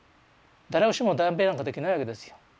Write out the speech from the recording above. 誰しも代弁なんかできないわけですよ。